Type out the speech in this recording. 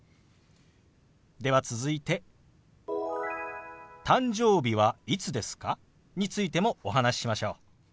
では続いて「誕生日はいつですか？」についてもお話ししましょう。